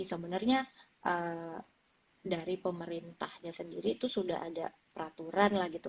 sebenarnya dari pemerintahnya sendiri itu sudah ada peraturan lah gitu